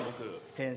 先生